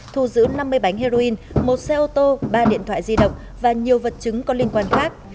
thu giữ năm mươi bánh heroin một xe ô tô ba điện thoại di động và nhiều vật chứng có liên quan khác